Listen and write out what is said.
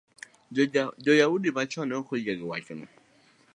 jo-Yahudi machon ne ok oyie gi wachno.